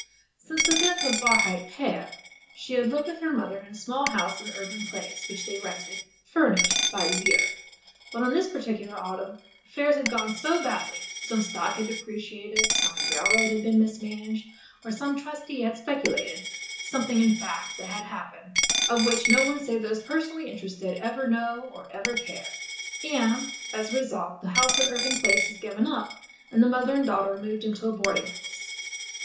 Since the death of Barhyte père she had lived with her mother in a small house in Irving Place, which they rented, furnished, by the year. But on this particular autumn affairs had gone so badly, some stock had depreciated, some railroad had been mismanaged, or some trustee had speculated something, in fact, had happened of which no one save those personally interested ever know or ever care, and, as a result, the house in Irving Place was given up, and the mother and daughter moved into a boarding house.